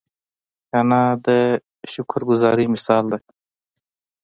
انا د شکر ګذاري مثال ده